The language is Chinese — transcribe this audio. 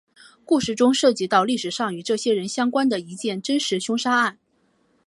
故事中涉及到历史上与这些人相关的一件真实凶杀案。